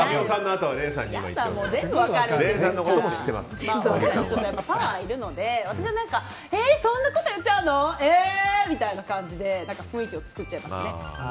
怒ると、パワーがいるので私はそんなこと言っちゃうのえーみたいな感じで雰囲気を作っちゃいますね。